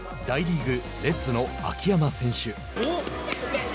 大リーグ、レッズの秋山選手。